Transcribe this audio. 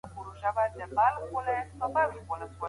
لیکل تر اورېدلو د مسلکي زده کړي لپاره ضروري دي.